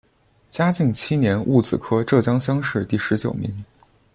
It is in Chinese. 嘉靖七年戊子科浙江乡试第十九名。